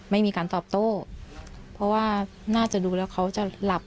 ไม่มีการตอบโต้เพราะว่าน่าจะดูแล้วเขาจะหลับ